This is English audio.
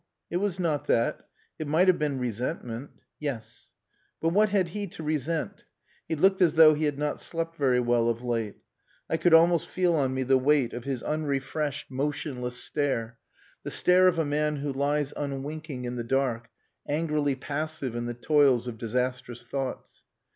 It was not that. It might have been resentment. Yes. But what had he to resent? He looked as though he had not slept very well of late. I could almost feel on me the weight of his unrefreshed, motionless stare, the stare of a man who lies unwinking in the dark, angrily passive in the toils of disastrous thoughts.